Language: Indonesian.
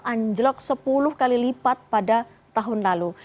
anjlok sepuluh kali lipat pada tahun lalu